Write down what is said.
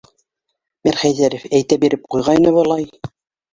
Мирхәйҙәров әйтә биреп ҡуйғайны, былай...